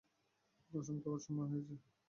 পসাম খাওয়ার সময় হয়েছে!